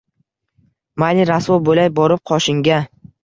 Mayli rasvo bo‘lay borib qoshingga –